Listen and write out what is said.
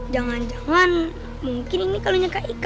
jangan jangan mungkin ini kalau punya kak ika